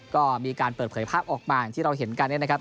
ก็มีการเปิดเผยภาพออกมาอย่างที่เราเห็นกันเนี่ยนะครับ